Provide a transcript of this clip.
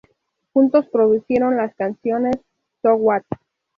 Juntos produjeron las canciones "So What?